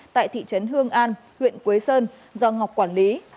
tại thị trấn hương an huyện quế sơn do ngọc quản lý